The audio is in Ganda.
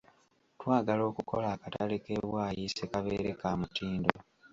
Twagala okukola akatale k’e Bwaise kabeere ka mutindo.